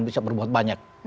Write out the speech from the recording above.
bisa berbuat banyak